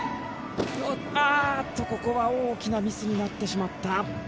あっと、ここは大きなミスになってしまった。